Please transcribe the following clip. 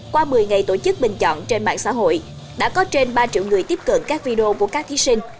qua một mươi ngày tổ chức bình chọn trên mạng xã hội đã có trên ba triệu người tiếp cận các video của các thí sinh